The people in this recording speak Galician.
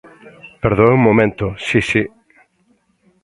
Perdoe un momento, si, si.